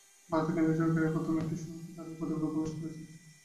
ভারতের কেন্দ্রীয় সরকার এই প্রথম একটি সমীক্ষা চালিয়ে প্রতিবেদন প্রকাশ করেছে।